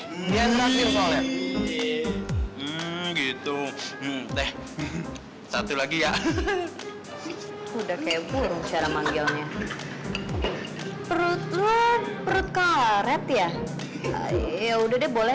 gitu satu lagi ya udah kayak burung cara manggilnya perut perut karet ya ya udah boleh